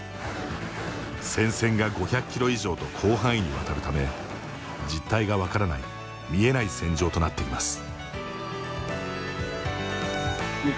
戦線が５００キロ以上と広範囲にわたるため実態が分からない見えない戦場となっています。